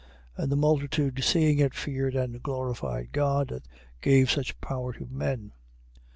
9:8. And the multitude seeing it, feared, and glorified God that gave such power to men.